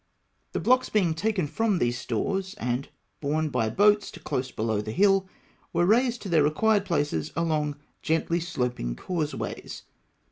The blocks being taken from these stores, and borne by boats to close below the hill, were raised to their required places along gently sloping causeways.